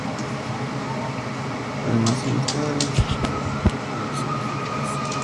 Además de investigación original, la revista incluye reseñas críticas sobre la producción historiográfica.